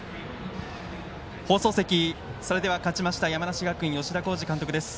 放送席、勝ちました山梨学院、吉田洸二監督です。